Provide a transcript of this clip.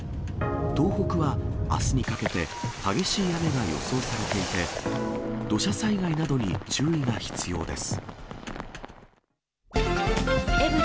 東北はあすにかけて激しい雨が予想されていて、土砂災害などに注意が必要です。